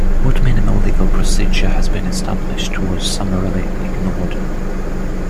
What minimal legal procedure had been established was summarily ignored.